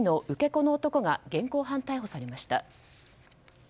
子の男が現行犯逮捕されました。